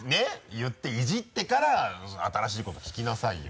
言ってイジってから新しいこと聞きなさいよ。